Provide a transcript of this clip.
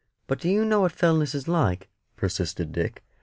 "But do you know what Fellness is like?" persisted Dick.